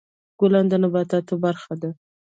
ګلان د نباتاتو برخه ده.